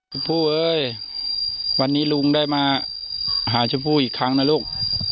ชมพู่เอ้ยวันนี้ลุงได้มาหาชมพู่อีกครั้งนะลูก